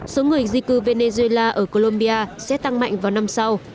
số người di cư venezuela ở colombia sẽ tăng mạnh vào năm sau